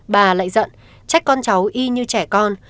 bà lại dận trách con cháu y như trẻ con